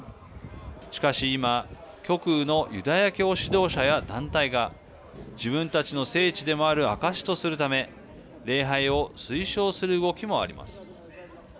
しかし今極右のユダヤ教指導者や団体が自分たちの聖地でもある証しとするため礼拝を推奨する動きもあります。